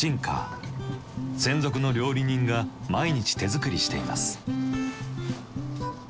専属の料理人が毎日手作りしています。